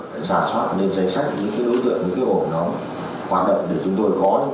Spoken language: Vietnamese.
để giả soạn lên danh sách những ưu tượng những ổn hợp hoạt động